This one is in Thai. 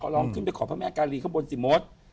ลองขึ้นไปขอพระแม่กาลีข้างบนสิมด